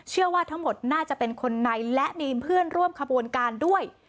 เชื่อว่าทั้งหมดน่าจะเป็นคนในและมีเพื่อนร่วมขบวนการด้วย